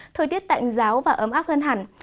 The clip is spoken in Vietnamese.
thời tiết tạnh giáo và ấm áp hơn hẳn